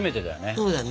そうだね。